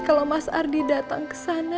kalau mas ardi datang kesana